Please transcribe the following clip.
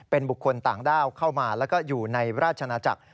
เป็นบุคคลต่างด้าวเข้ามาแล้วก็อยู่ในราชนาจักร